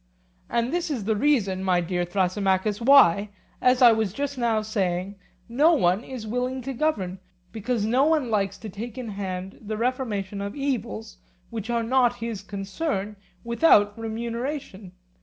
And this is the reason, my dear Thrasymachus, why, as I was just now saying, no one is willing to govern; because no one likes to take in hand the reformation of evils which are not his concern without remuneration.